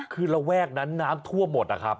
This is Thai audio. คือระแวกนั้นน้ำท่วมหมดนะครับ